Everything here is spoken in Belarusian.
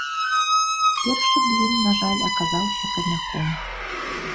Першы блін, на жаль, аказаўся камяком.